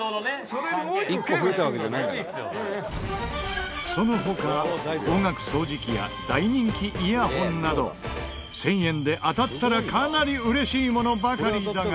「それにもう１個Ｋが付くんだから」その他高額掃除機や大人気イヤホンなど１０００円で当たったらかなり嬉しいものばかりだが。